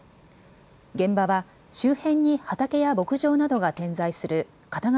現場は周辺に畑や牧場などが点在する片側